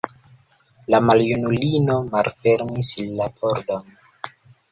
La maljunulino malfermis la pordon.